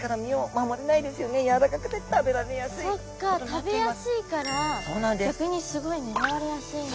食べやすいから逆にすごい狙われやすいんだ。